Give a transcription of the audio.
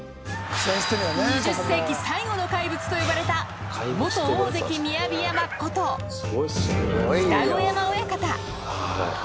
２０世紀最後の怪物と呼ばれた、元大関・雅山こと、二子山親方。